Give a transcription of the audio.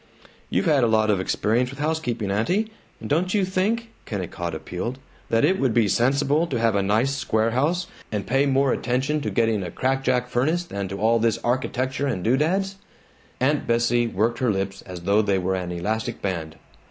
"You've had a lot of experience with housekeeping, aunty, and don't you think," Kennicott appealed, "that it would be sensible to have a nice square house, and pay more attention to getting a crackajack furnace than to all this architecture and doodads?" Aunt Bessie worked her lips as though they were an elastic band.